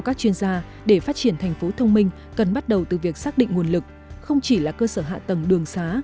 các đô thị thông minh cần bắt đầu từ việc xác định nguồn lực không chỉ là cơ sở hạ tầng đường xá